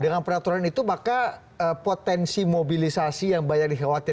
dengan peraturan itu maka potensi mobilisasi yang banyak dikhawatirkan